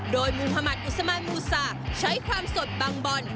โดยมุธมัติอุสมานมูซาใช้ความสดบางบอล